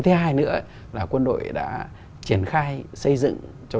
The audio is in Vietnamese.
thứ hai nữa là quân đội đã triển khai xây dựng cho tất cả các cơ quan đơn vị xây dựng chương trình hành động